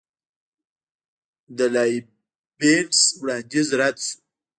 د لایبینټس وړاندیز رد شو.